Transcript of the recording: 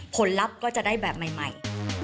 ลัพธ์ก็จะได้แบบใหม่